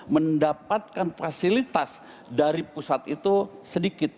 mendapatkan fasilitas dari pusat itu sedikit